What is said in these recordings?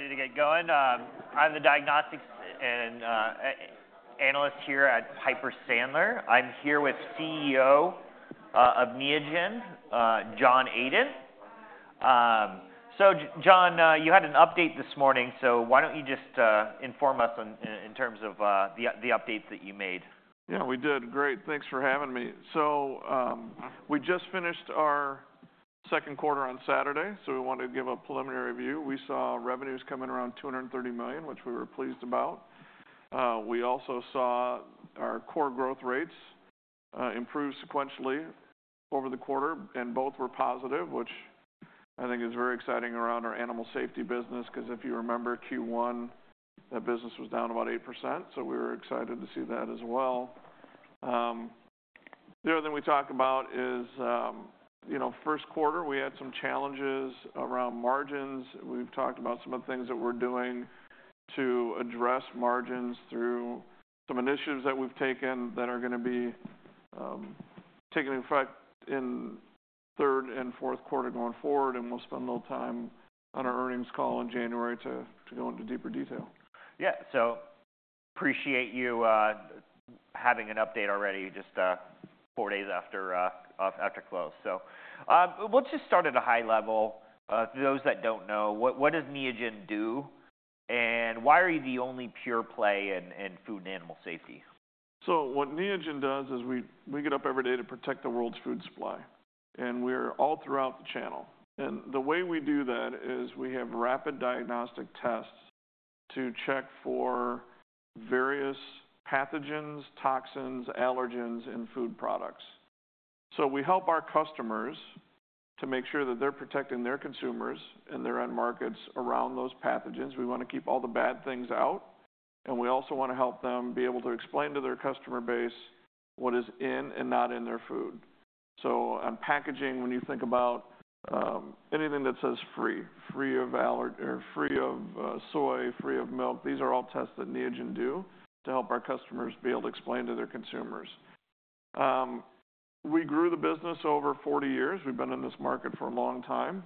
We're ready to get going. I'm the diagnostics analyst here at Piper Sandler. I'm here with CEO of Neogen, John Adent. So John, you had an update this morning, so why don't you just inform us on in terms of the updates that you made? Yeah, we did. Great. Thanks for having me. So, we just finished our second quarter on Saturday, so we wanted to give a preliminary view. We saw revenues coming around $230 million, which we were pleased about. We also saw our core growth rates improve sequentially over the quarter, and both were positive, which I think is very exciting around our animal safety business 'cause if you remember Q1, that business was down about 8%. So we were excited to see that as well. The other thing we talk about is, you know, first quarter, we had some challenges around margins. We've talked about some of the things that we're doing to address margins through some initiatives that we've taken that are gonna be taking effect in third and fourth quarter going forward, and we'll spend a little time on our earnings call in January to go into deeper detail. Yeah. So appreciate you having an update already just four days after close. So, let's just start at a high level for those that don't know. What does Neogen do, and why are you the only pure play in food and animal safety? What Neogen does is we get up every day to protect the world's food supply, and we're all throughout the channel. And the way we do that is we have rapid diagnostic tests to check for various pathogens, toxins, allergens in food products. So we help our customers to make sure that they're protecting their consumers and their end markets around those pathogens. We wanna keep all the bad things out, and we also wanna help them be able to explain to their customer base what is in and not in their food. So on packaging, when you think about anything that says free of allergen or free of soy, free of milk, these are all tests that Neogen do to help our customers be able to explain to their consumers. We grew the business over 40 years. We've been in this market for a long time.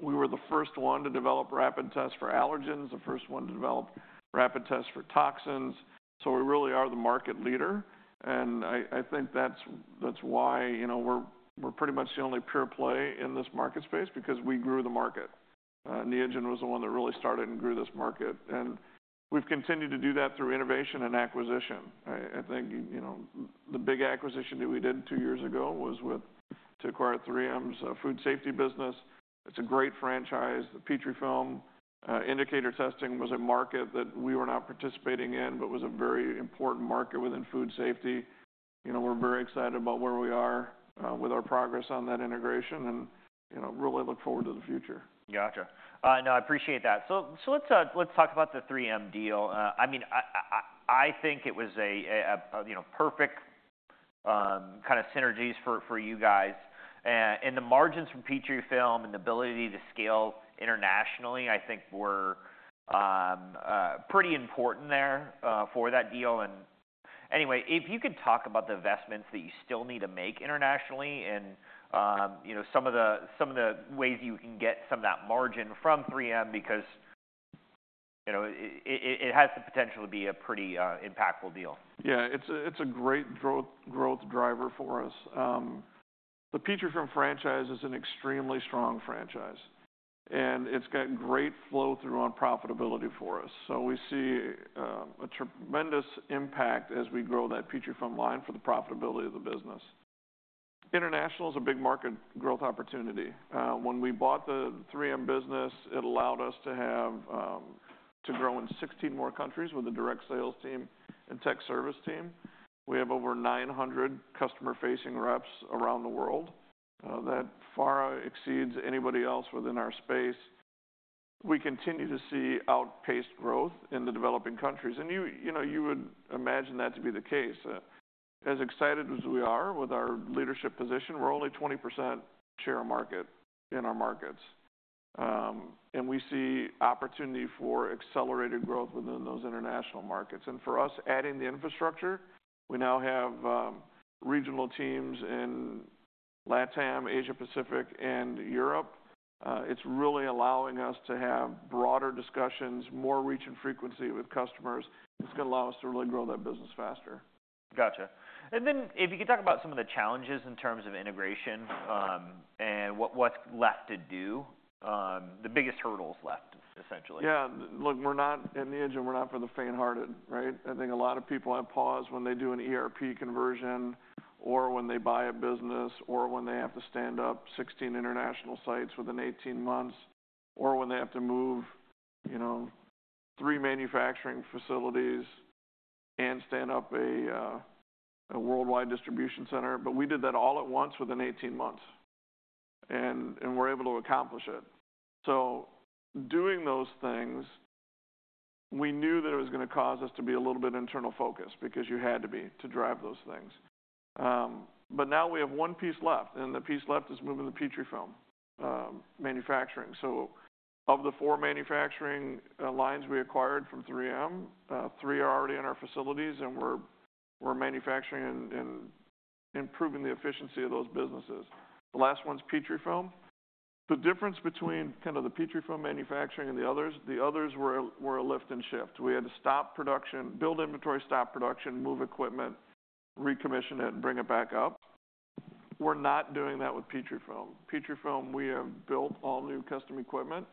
We were the first one to develop rapid tests for allergens, the first one to develop rapid tests for toxins. So we really are the market leader, and I, I think that's, that's why, you know, we're, we're pretty much the only pure play in this market space because we grew the market. Neogen was the one that really started and grew this market, and we've continued to do that through innovation and acquisition. I, I think, you know, the big acquisition that we did two years ago was with, to acquire 3M's food safety business. It's a great franchise. The Petrifilm indicator testing was a market that we were not participating in but was a very important market within food safety. You know, we're very excited about where we are with our progress on that integration and, you know, really look forward to the future. Gotcha. No, I appreciate that. So let's talk about the 3M deal. I mean, I think it was a you know, perfect kinda synergies for you guys. And the margins from Petrifilm and the ability to scale internationally, I think were pretty important there for that deal. And anyway, if you could talk about the investments that you still need to make internationally and you know, some of the ways you can get some of that margin from 3M because you know, it has the potential to be a pretty impactful deal. Yeah. It's a great growth driver for us. The Petrifilm franchise is an extremely strong franchise, and it's got great flow through on profitability for us. So we see a tremendous impact as we grow that Petrifilm line for the profitability of the business. International's a big market growth opportunity. When we bought the 3M business, it allowed us to grow in 16 more countries with a direct sales team and tech service team. We have over 900 customer-facing reps around the world, that far exceeds anybody else within our space. We continue to see outpaced growth in the developing countries, and you know, you would imagine that to be the case. As excited as we are with our leadership position, we're only 20% share of market in our markets. And we see opportunity for accelerated growth within those international markets. For us, adding the infrastructure, we now have regional teams in LATAM, Asia Pacific, and Europe. It's really allowing us to have broader discussions, more reach and frequency with customers. It's gonna allow us to really grow that business faster. Gotcha. And then if you could talk about some of the challenges in terms of integration, and what, what's left to do, the biggest hurdles left, essentially. Yeah. Look, we're not in Neogen. We're not for the faint-hearted, right? I think a lot of people have paused when they do an ERP conversion or when they buy a business or when they have to stand up 16 international sites within 18 months or when they have to move, you know, three manufacturing facilities and stand up a worldwide distribution center. But we did that all at once within 18 months, and we're able to accomplish it. So doing those things, we knew that it was gonna cause us to be a little bit internal focused because you had to be to drive those things. But now we have one piece left, and the piece left is moving the Petrifilm manufacturing. Of the four manufacturing lines we acquired from 3M, three are already in our facilities, and we're manufacturing and improving the efficiency of those businesses. The last one's Petrifilm. The difference between kinda the Petrifilm manufacturing and the others, the others were a lift and shift. We had to stop production, build inventory, stop production, move equipment, recommission it, and bring it back up. We're not doing that with Petrifilm. Petrifilm, we have built all new custom equipment.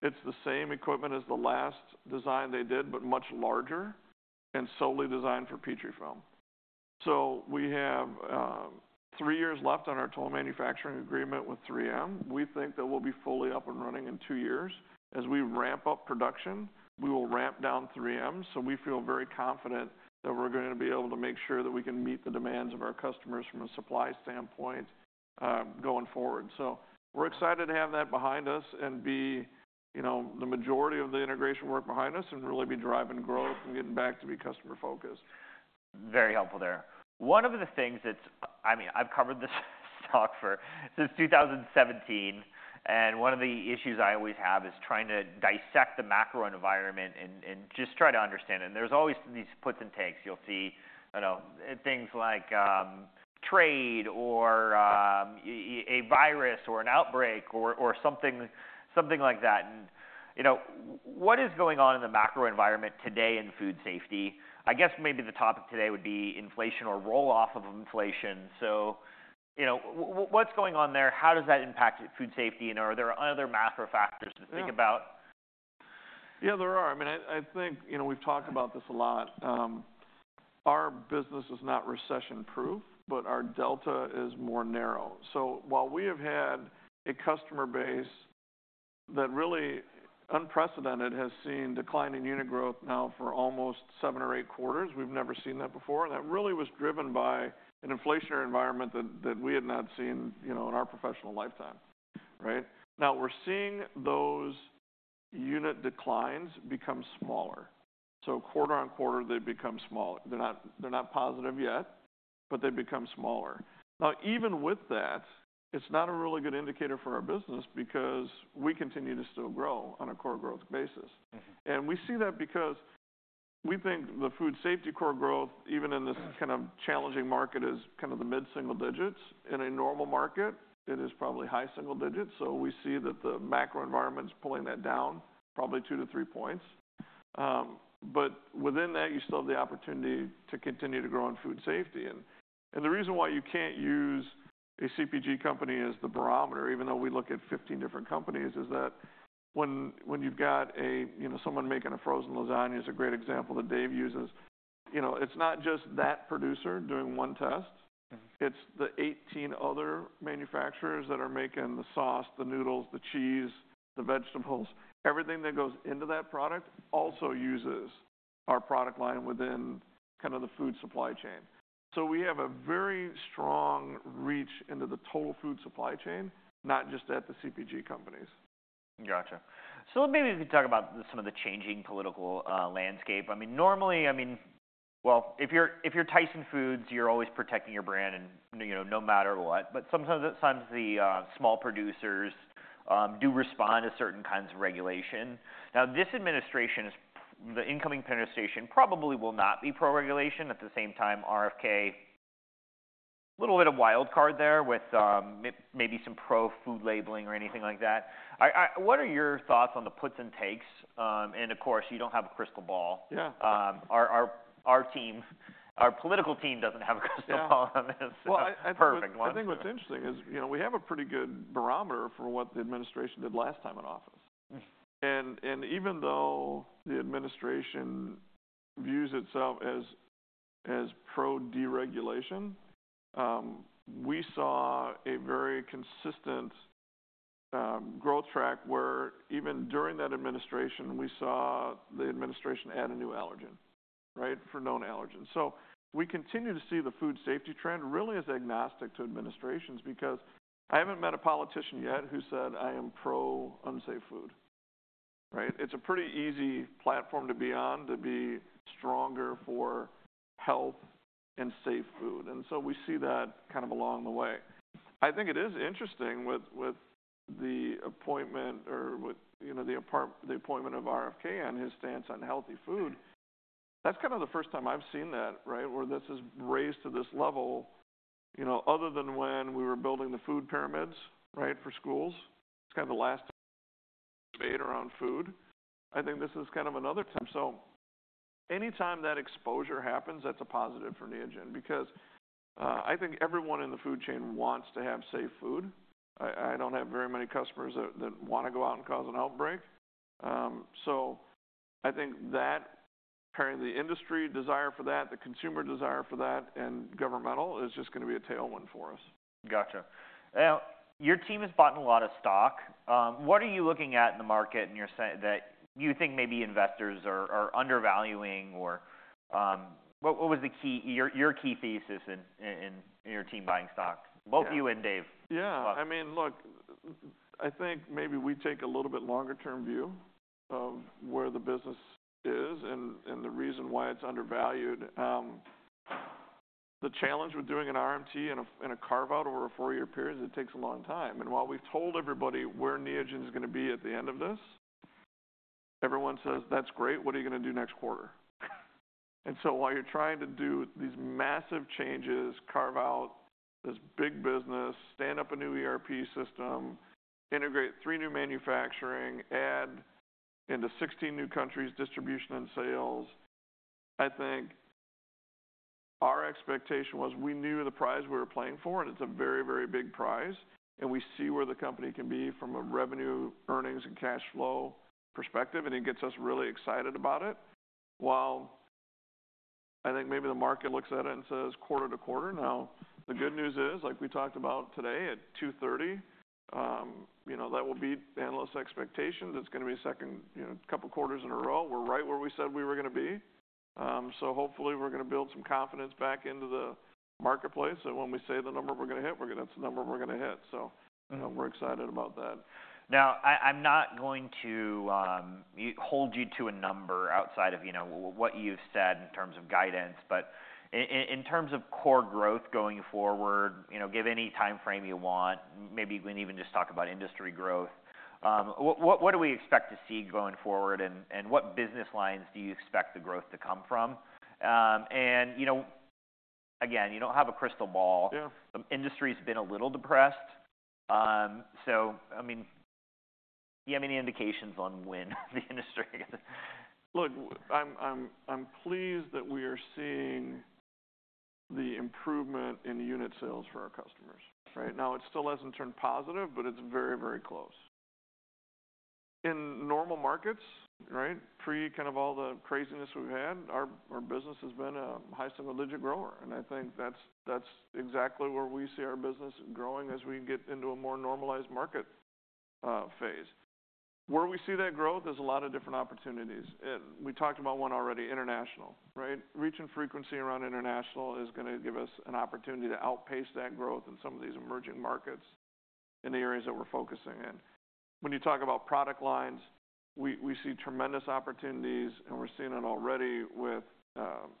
It's the same equipment as the last design they did but much larger and solely designed for Petrifilm. We have three years left on our total manufacturing agreement with 3M. We think that we'll be fully up and running in two years. As we ramp up production, we will ramp down 3M, so we feel very confident that we're gonna be able to make sure that we can meet the demands of our customers from a supply standpoint, going forward. So we're excited to have that behind us and be, you know, the majority of the integration work behind us and really be driving growth and getting back to be customer-focused. Very helpful there. One of the things that's, I mean, I've covered this talk for since 2017, and one of the issues I always have is trying to dissect the macro environment and just try to understand it. And there's always these puts and takes. You'll see, I don't know, things like trade or a virus or an outbreak or something like that. And, you know, what is going on in the macro environment today in food safety? I guess maybe the topic today would be inflation or roll-off of inflation. So, you know, what's going on there? How does that impact food safety? And are there other macro factors to think about? Yeah, there are. I mean, I, I think, you know, we've talked about this a lot. Our business is not recession-proof, but our delta is more narrow. So while we have had a customer base that really unprecedented has seen declining unit growth now for almost seven or eight quarters, we've never seen that before. And that really was driven by an inflationary environment that, that we had not seen, you know, in our professional lifetime, right? Now, we're seeing those unit declines become smaller. So quarter on quarter, they become smaller. They're not, they're not positive yet, but they become smaller. Now, even with that, it's not a really good indicator for our business because we continue to still grow on a core growth basis. Mm-hmm. And we see that because we think the food safety core growth, even in this kind of challenging market, is kinda the mid-single digits. In a normal market, it is probably high single digits. So we see that the macro environment's pulling that down probably two to three points. But within that, you still have the opportunity to continue to grow in food safety. And the reason why you can't use a CPG company as the barometer, even though we look at 15 different companies, is that when you've got a, you know, someone making a frozen lasagna is a great example that Dave uses. You know, it's not just that producer doing one test. Mm-hmm. It's the 18 other manufacturers that are making the sauce, the noodles, the cheese, the vegetables. Everything that goes into that product also uses our product line within kinda the food supply chain, so we have a very strong reach into the total food supply chain, not just at the CPG companies. Gotcha. So maybe we could talk about some of the changing political landscape. I mean, normally, well, if you're Tyson Foods, you're always protecting your brand and, you know, no matter what. But sometimes, at times, the small producers do respond to certain kinds of regulation. Now, the incoming administration probably will not be pro-regulation. At the same time, RFK, a little bit of a wild card there with maybe some pro-food labeling or anything like that. What are your thoughts on the puts and takes, and of course, you don't have a crystal ball. Yeah. Our political team doesn't have a crystal ball on this. Well, I, I think. Perfect one. I think what's interesting is, you know, we have a pretty good barometer for what the administration did last time in office. Mm-hmm. Even though the administration views itself as pro-deregulation, we saw a very consistent growth track where even during that administration, we saw the administration add a new allergen, right, for known allergens. We continue to see the food safety trend really as agnostic to administrations because I haven't met a politician yet who said, "I am pro-unsafe food," right? It's a pretty easy platform to be on to be stronger for health and safe food. We see that kind of along the way. I think it is interesting with the appointment or with, you know, the appointment of RFK and his stance on healthy food. That's kinda the first time I've seen that, right, where this is raised to this level, you know, other than when we were building the food pyramids, right, for schools. It's kinda the last debate around food. I think this is kind of another time. So anytime that exposure happens, that's a positive for Neogen because I think everyone in the food chain wants to have safe food. I don't have very many customers that wanna go out and cause an outbreak. So I think that apparently the industry desire for that, the consumer desire for that, and governmental is just gonna be a tailwind for us. Gotcha. Now, your team has bought a lot of stock. What are you looking at in the market and you're saying that you think maybe investors are undervaluing or, what was the key, your key thesis in your team buying stock? Both you and Dave. Yeah. I mean, look, I think maybe we take a little bit longer-term view of where the business is and the reason why it's undervalued. The challenge with doing an RMT and a carve-out over a four-year period is it takes a long time. And while we've told everybody where Neogen's gonna be at the end of this, everyone says, "That's great. What are you gonna do next quarter?" And so while you're trying to do these massive changes, carve out this big business, stand up a new ERP system, integrate three new manufacturing, add into 16 new countries distribution and sales, I think our expectation was we knew the prize we were playing for, and it's a very, very big prize, and we see where the company can be from a revenue, earnings, and cash flow perspective, and it gets us really excited about it. While I think maybe the market looks at it and says, "Quarter to quarter." Now, the good news is, like we talked about today at 2:30 P.M., you know, that will be analysts' expectations. It's gonna be second, you know, couple quarters in a row. We're right where we said we were gonna be. So hopefully, we're gonna build some confidence back into the marketplace that when we say the number we're gonna hit, we're gonna that's the number we're gonna hit. So, you know, we're excited about that. Now, I'm not going to hold you to a number outside of, you know, what you've said in terms of guidance, but in terms of core growth going forward, you know, give any timeframe you want. Maybe we can even just talk about industry growth. What do we expect to see going forward, and what business lines do you expect the growth to come from? And you know, again, you don't have a crystal ball. Yeah. The industry's been a little depressed. So, I mean, do you have any indications on when the industry? Look, I'm pleased that we are seeing the improvement in unit sales for our customers, right? Now, it still hasn't turned positive, but it's very, very close. In normal markets, right, pre kind of all the craziness we've had, our business has been a high single-digit grower, and I think that's exactly where we see our business growing as we get into a more normalized market phase. Where we see that growth is a lot of different opportunities. And we talked about one already, international, right? Reach and frequency around international is gonna give us an opportunity to outpace that growth in some of these emerging markets in the areas that we're focusing in. When you talk about product lines, we see tremendous opportunities, and we're seeing it already with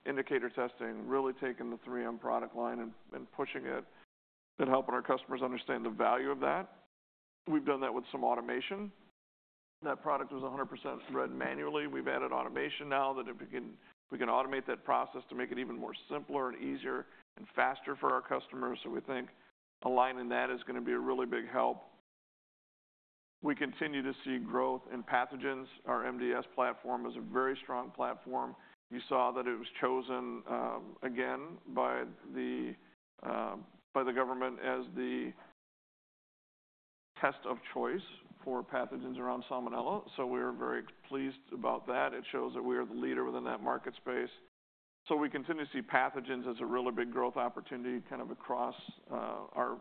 indicator testing really taking the 3M product line and pushing it and helping our customers understand the value of that. We've done that with some automation. That product was 100% read manually. We've added automation now that we can automate that process to make it even more simpler and easier and faster for our customers. So we think aligning that is gonna be a really big help. We continue to see growth in pathogens. Our MDS platform is a very strong platform. You saw that it was chosen again by the government as the test of choice for pathogens around Salmonella. So we are very pleased about that. It shows that we are the leader within that market space. So we continue to see pathogens as a really big growth opportunity kind of across our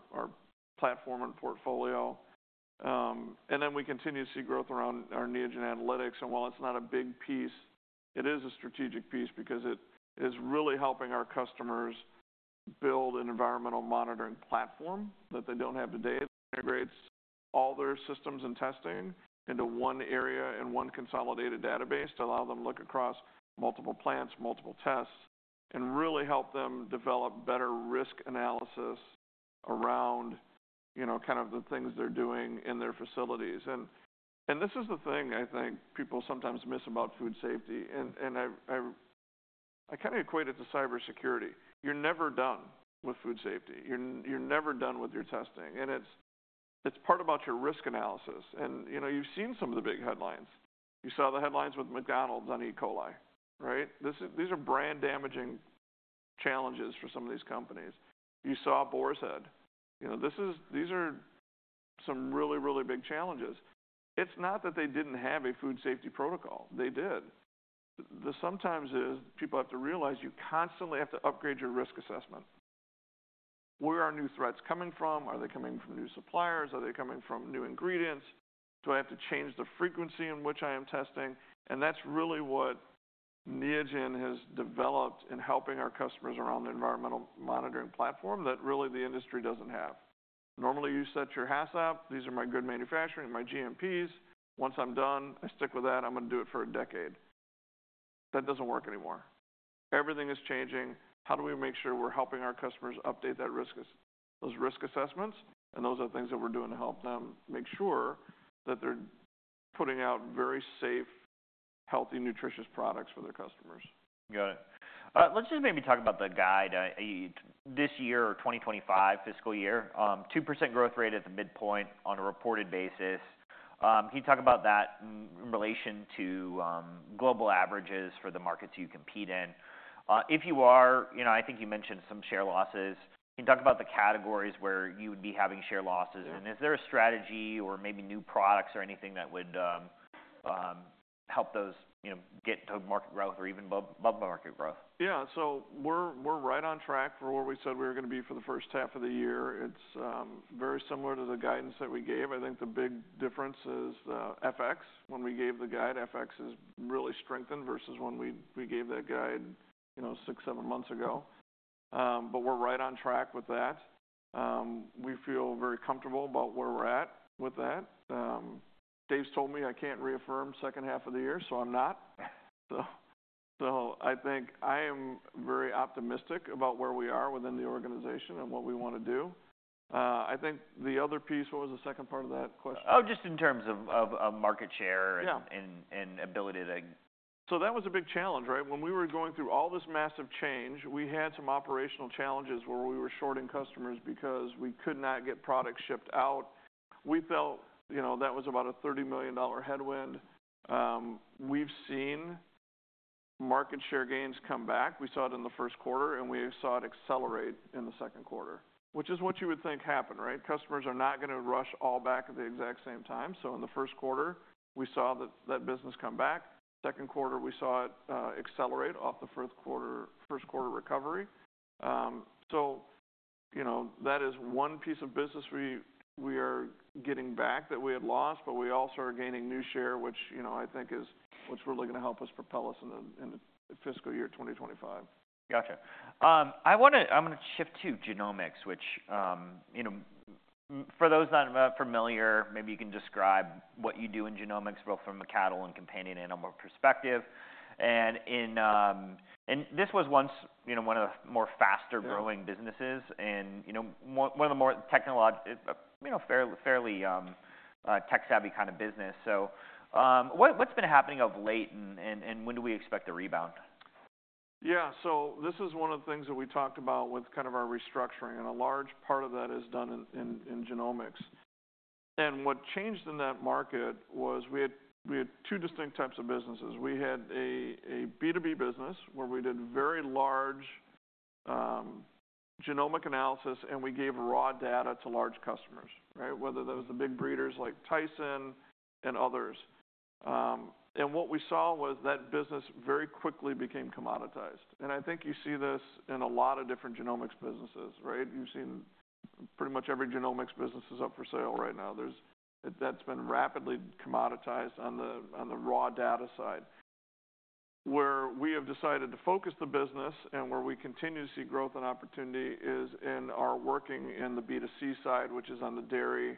platform and portfolio. And then we continue to see growth around our Neogen Analytics. And while it's not a big piece, it is a strategic piece because it is really helping our customers build an environmental monitoring platform that they don't have today that integrates all their systems and testing into one area and one consolidated database to allow them to look across multiple plants, multiple tests, and really help them develop better risk analysis around, you know, kind of the things they're doing in their facilities. And this is the thing I think people sometimes miss about food safety. And I kinda equate it to cybersecurity. You're never done with food safety. You're never done with your testing. And it's part about your risk analysis. You know, you've seen some of the big headlines. You saw the headlines with McDonald's on E. coli, right? These are brand-damaging challenges for some of these companies. You saw Boar's Head. You know, these are some really, really big challenges. It's not that they didn't have a food safety protocol. They did. Sometimes people have to realize you constantly have to upgrade your risk assessment. Where are new threats coming from? Are they coming from new suppliers? Are they coming from new ingredients? Do I have to change the frequency in which I am testing? And that's really what Neogen has developed in helping our customers around the environmental monitoring platform that really the industry doesn't have. Normally, you set your HACCPs. These are my good manufacturing, my GMPs. Once I'm done, I stick with that. I'm gonna do it for a decade. That doesn't work anymore. Everything is changing. How do we make sure we're helping our customers update that risk, those risk assessments? And those are things that we're doing to help them make sure that they're putting out very safe, healthy, nutritious products for their customers. Got it. Let's just maybe talk about the guide. This year or 2025 fiscal year, 2% growth rate at the midpoint on a reported basis. Can you talk about that in relation to global averages for the markets you compete in? If you are, you know, I think you mentioned some share losses. Can you talk about the categories where you would be having share losses? And is there a strategy or maybe new products or anything that would help those, you know, get to market growth or even above market growth? Yeah. So we're right on track for where we said we were gonna be for the first half of the year. It's very similar to the guidance that we gave. I think the big difference is the FX. When we gave the guide, FX is really strengthened versus when we gave that guide, you know, six, seven months ago. But we're right on track with that. We feel very comfortable about where we're at with that. Dave's told me I can't reaffirm second half of the year, so I'm not. So I think I am very optimistic about where we are within the organization and what we wanna do. I think the other piece, what was the second part of that question? Oh, just in terms of market share and ability to. So that was a big challenge, right? When we were going through all this massive change, we had some operational challenges where we were shorting customers because we could not get product shipped out. We felt, you know, that was about a $30 million headwind. We've seen market share gains come back. We saw it in the first quarter, and we saw it accelerate in the second quarter, which is what you would think happened, right? Customers are not gonna rush all back at the exact same time. So in the first quarter, we saw that business come back. Second quarter, we saw it, accelerate off the first quarter, first quarter recovery. So, you know, that is one piece of business we are getting back that we had lost, but we also are gaining new share, which, you know, I think is what's really gonna help us propel us in the fiscal year 2025. Gotcha. I'm gonna shift to genomics, which, you know, for those that are not familiar, maybe you can describe what you do in genomics both from a cattle and companion animal perspective. And this was once, you know, one of the more faster growing businesses and, you know, one of the more technological, you know, fairly tech-savvy kind of business. So, what's been happening of late and when do we expect a rebound? Yeah, so this is one of the things that we talked about with kind of our restructuring, and a large part of that is done in genomics. And what changed in that market was we had two distinct types of businesses. We had a B2B business where we did very large genomic analysis, and we gave raw data to large customers, right, whether those are the big breeders like Tyson and others. And what we saw was that business very quickly became commoditized. And I think you see this in a lot of different genomics businesses, right? You've seen pretty much every genomics business is up for sale right now. There. That's been rapidly commoditized on the raw data side. Where we have decided to focus the business and where we continue to see growth and opportunity is in our working in the B2C side, which is on the dairy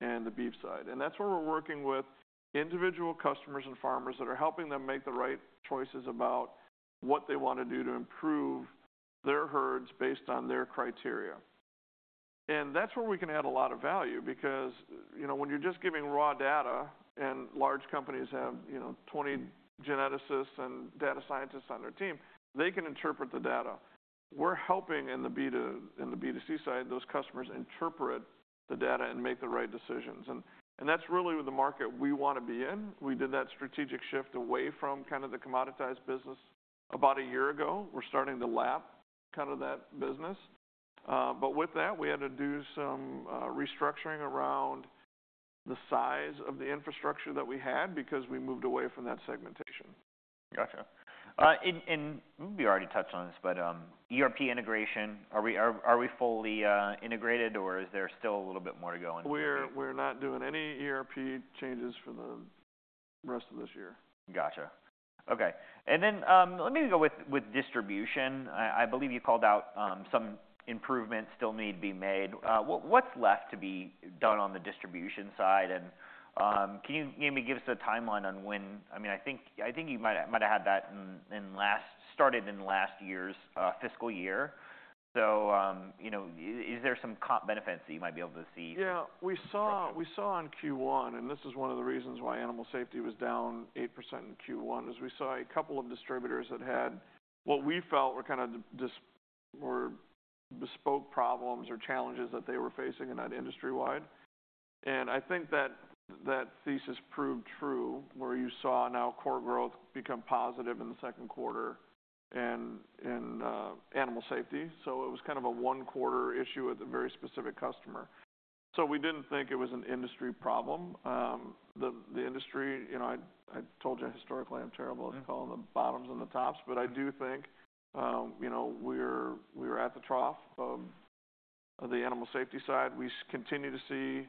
and the beef side. And that's where we're working with individual customers and farmers that are helping them make the right choices about what they wanna do to improve their herds based on their criteria. And that's where we can add a lot of value because, you know, when you're just giving raw data and large companies have, you know, 20 geneticists and data scientists on their team, they can interpret the data. We're helping in the B2, in the B2C side, those customers interpret the data and make the right decisions. And, and that's really the market we wanna be in. We did that strategic shift away from kind of the commoditized business about a year ago. We're starting to lap kind of that business. But with that, we had to do some restructuring around the size of the infrastructure that we had because we moved away from that segmentation. Gotcha. And we already touched on this, but ERP integration, are we fully integrated or is there still a little bit more to go in? We're not doing any ERP changes for the rest of this year. Gotcha. Okay. And then, let me go with distribution. I believe you called out some improvements still need to be made. What's left to be done on the distribution side? And, can you maybe give us a timeline on when? I mean, I think you might have had that started in last year's fiscal year. So, you know, is there some comp benefits that you might be able to see? Yeah. We saw in Q1, and this is one of the reasons why animal safety was down 8% in Q1, is we saw a couple of distributors that had what we felt were kind of these were bespoke problems or challenges that they were facing and not industry-wide. And I think that thesis proved true where you saw now core growth become positive in the second quarter and animal safety. So it was kind of a one-quarter issue with a very specific customer. So we didn't think it was an industry problem. The industry, you know, I told you historically I'm terrible at calling the bottoms and the tops, but I do think, you know, we are at the trough of the animal safety side. We continue to see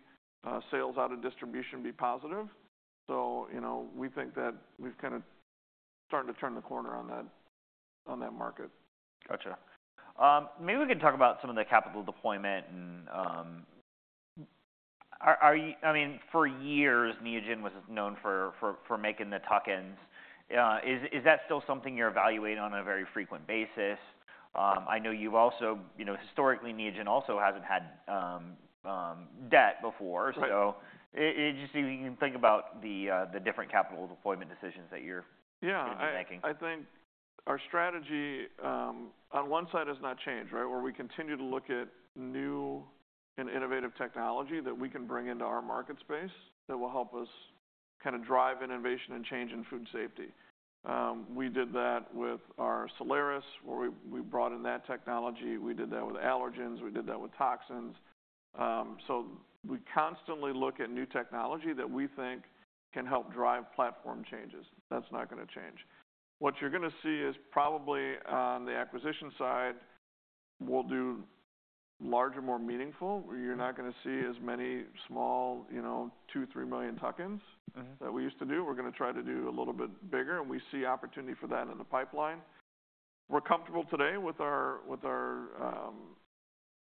sales out of distribution be positive. So, you know, we think that we've kinda started to turn the corner on that, on that market. Gotcha. Maybe we can talk about some of the capital deployment and, are you, I mean, for years, Neogen was known for making the tuck-ins. Is that still something you're evaluating on a very frequent basis? I know you've also, you know, historically, Neogen also hasn't had debt before. So it just, you can think about the different capital deployment decisions that you're. Yeah. Making. I think our strategy, on one side has not changed, right, where we continue to look at new and innovative technology that we can bring into our market space that will help us kinda drive innovation and change in food safety. We did that with our Soleris where we brought in that technology. We did that with allergens. We did that with toxins. So we constantly look at new technology that we think can help drive platform changes. That's not gonna change. What you're gonna see is probably on the acquisition side, we'll do larger, more meaningful. You're not gonna see as many small, you know, $2-3 million tuck-ins. Mm-hmm. That we used to do. We're gonna try to do a little bit bigger, and we see opportunity for that in the pipeline. We're comfortable today with our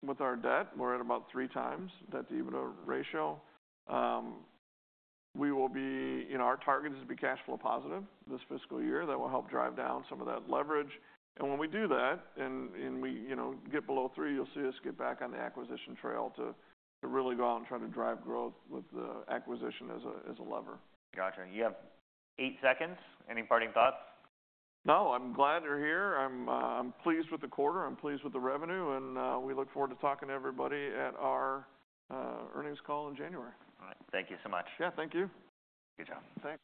debt. We're at about three times debt to EBITDA ratio. We will be, you know, our target is to be cash flow positive this fiscal year. That will help drive down some of that leverage, and when we do that and we, you know, get below three, you'll see us get back on the acquisition trail to really go out and try to drive growth with the acquisition as a lever. Gotcha. You have eight seconds. Any parting thoughts? No. I'm glad you're here. I'm pleased with the quarter. I'm pleased with the revenue. And, we look forward to talking to everybody at our earnings call in January. All right. Thank you so much. Yeah. Thank you. Good job. Thanks.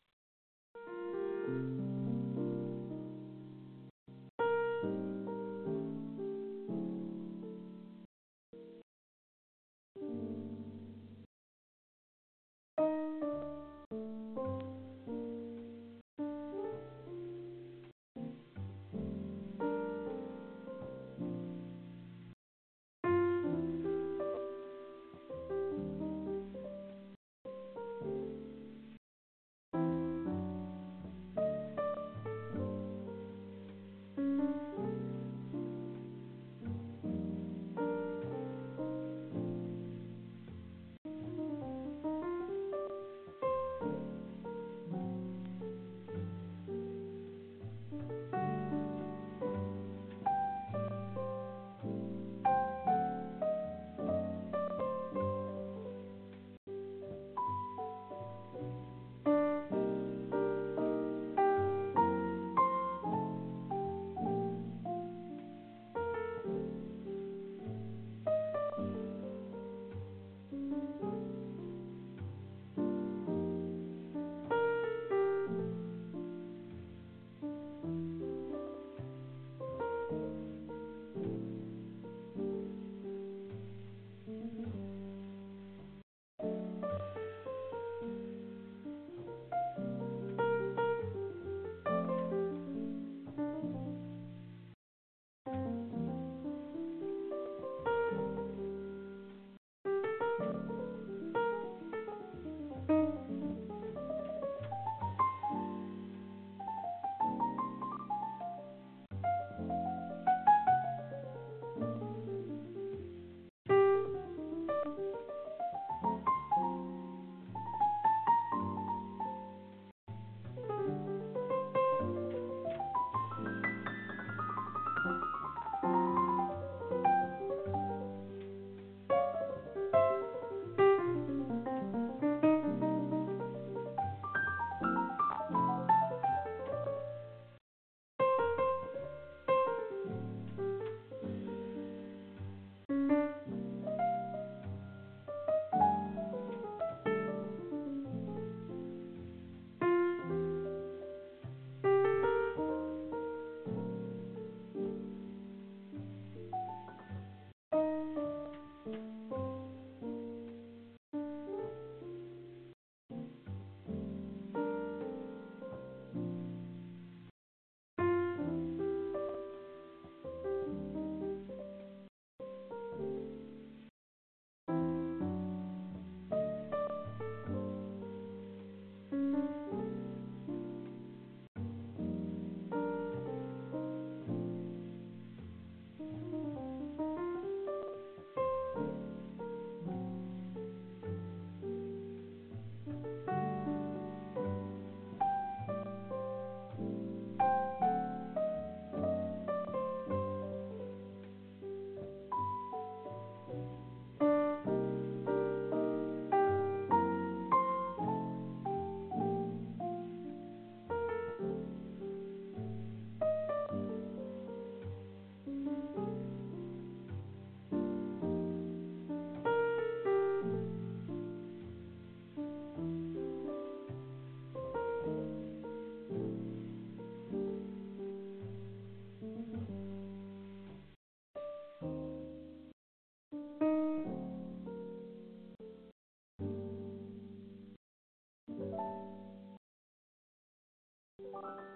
All right.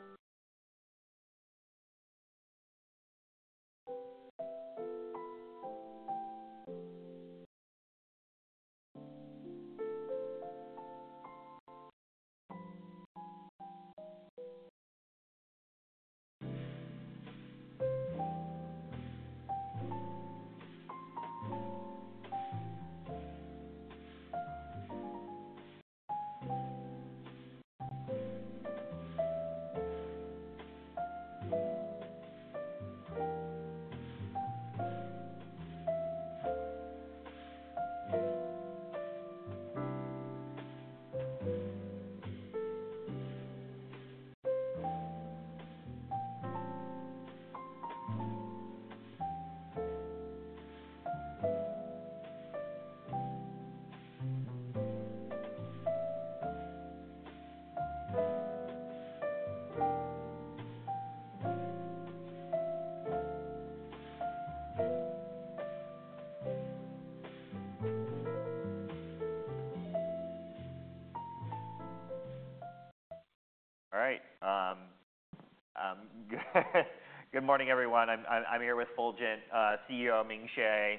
Good morning, everyone. I'm here with Fulgent CEO Ming Hsieh.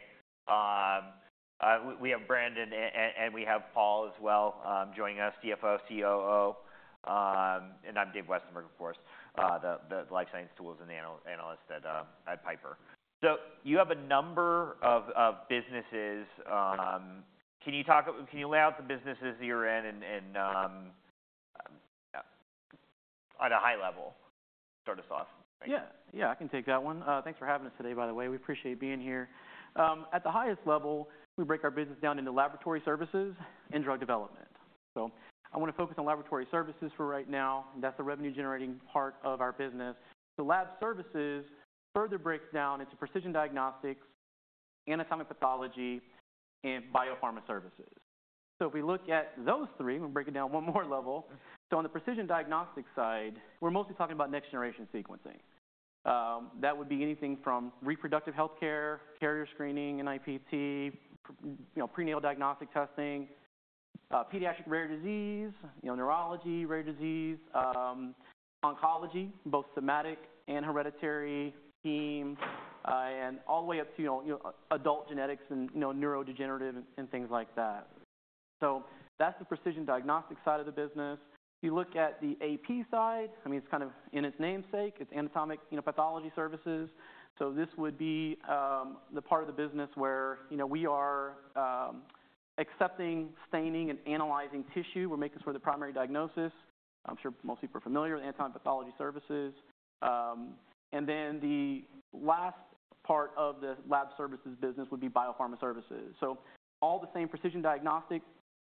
We have Brandon and we have Paul as well, joining us, CFO, COO. And I'm Dave Westenberg, of course, the life science tools and analyst at Piper. So you have a number of businesses. Can you talk about, can you lay out the businesses that you're in and, at a high level, start us off? Yeah. Yeah. I can take that one. Thanks for having us today, by the way. We appreciate being here. At the highest level, we break our business down into laboratory services and drug development. So I wanna focus on laboratory services for right now. That's the revenue-generating part of our business. The lab services further break down into precision diagnostics, anatomic pathology, and biopharma services. So if we look at those three, we'll break it down one more level. So on the precision diagnostic side, we're mostly talking about next-generation sequencing. That would be anything from reproductive healthcare, carrier screening, NIPT, you know, prenatal diagnostic testing, pediatric rare disease, you know, neurology rare disease, oncology, both somatic and hereditary, heme, and all the way up to, you know, you know, adult genetics and, you know, neurodegenerative and things like that. So that's the precision diagnostic side of the business. You look at the AP side. I mean, it's kind of in its namesake. It's anatomic, you know, pathology services. So this would be the part of the business where, you know, we are accepting, staining, and analyzing tissue. We're making sure the primary diagnosis. I'm sure most people are familiar with anatomic pathology services, and then the last part of the lab services business would be biopharma services. So all the same precision diagnostic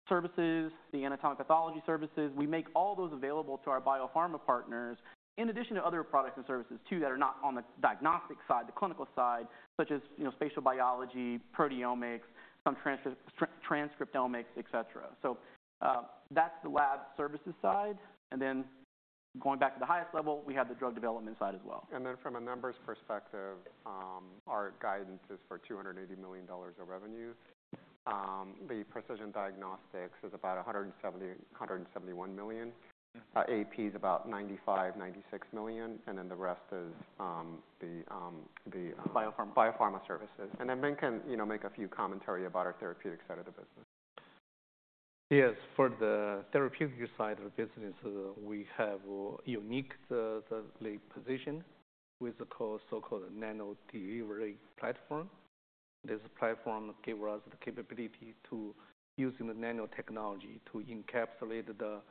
services, the anatomic pathology services, we make all those available to our biopharma partners in addition to other products and services too that are not on the diagnostic side, the clinical side, such as, you know, spatial biology, proteomics, some transcriptomics, etc. So, that's the lab services side, and then going back to the highest level, we have the drug development side as well. And then from a numbers perspective, our guidance is for $280 million of revenue. The precision diagnostics is about $170-$171 million. AP's about $95-$96 million. And then the rest is, Biopharma. Biopharma services, and then Ming can, you know, make a few commentary about our therapeutic side of the business. Yes. For the therapeutic side of the business, we have a unique position with the so-called nano delivery platform. This platform gave us the capability to use the nanotechnology to encapsulate the.